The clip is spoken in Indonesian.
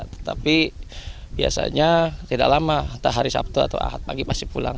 tetapi biasanya tidak lama entah hari sabtu atau ahad pagi masih pulang